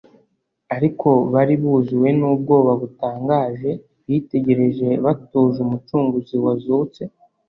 Ariko bari buzuwe n'ubwoba butangaje bitegereza batuje Umucunguzi wazutse.